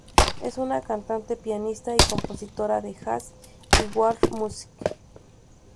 Es una cantante, pianista y compositora de jazz y world music.